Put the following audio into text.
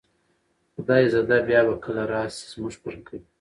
خدای زده بیا به کله را شئ، زموږ پر کلي